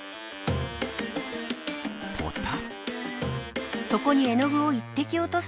ポタ。